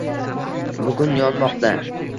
Bugun yonmoqda.